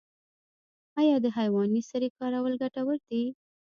آیا د حیواني سرې کارول ګټور دي؟